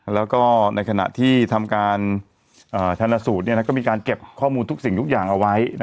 แล้วก็ในขณะที่ทำการชนสูตรก็มีการเก็บข้อมูลทุกสิ่งทุกอย่างเอาไว้